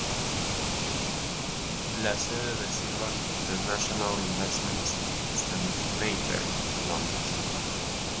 La sede de Silva International Investments está en Mayfair, Londres.